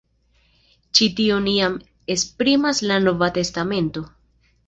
Ĉi tion jam esprimas la Nova Testamento.